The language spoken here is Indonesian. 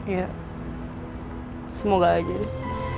ya semoga aja deh